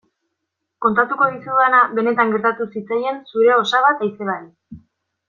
Kontatuko dizudana benetan gertatu zitzaien zure osaba eta izebari.